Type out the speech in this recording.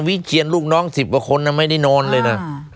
วิเชียนลูกน้อง๑๐กว่าคนไม่ได้นอนเลยนะ